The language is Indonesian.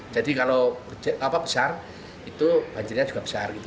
jadi kalau besar itu banjirnya juga besar gitu